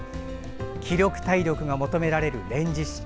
気力、体力が求められる「連獅子」。